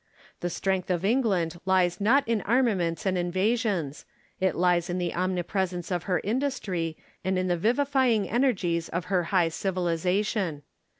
The strength of England lies not in armaments and invasions : it lies in the omnipresence of her industry, and in the vivifying energies of her high civilisation.